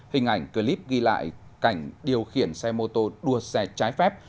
hình ảnh clip ghi lại cảnh điều khiển xe mô tô đua xe trái phép